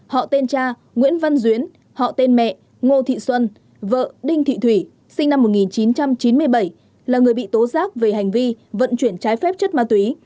họ tên cha nguyễn văn duyến họ tên mẹ ngô thị xuân vợ đinh thị thủy sinh năm một nghìn chín trăm chín mươi bảy là người bị tố giác về hành vi vận chuyển trái phép chất ma túy